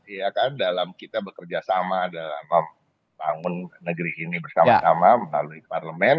iya kan dalam kita bekerja sama dalam membangun negeri ini bersama sama melalui parlemen